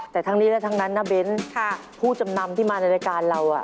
แต่ทั้งนี้และทั้งนั้นนะเบ้นผู้จำนำที่มาในรายการเรา